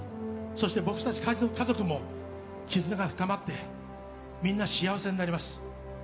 そして僕たち家族も絆が深まってみんな幸せになります。